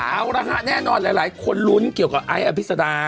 เอาละฮะแน่นอนหลายคนลุ้นเกี่ยวกับไอซ์อภิษดา